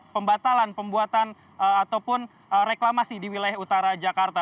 pembatalan pembuatan ataupun reklamasi di wilayah utara jakarta